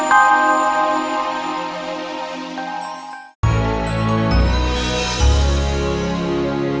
aida ada di rumah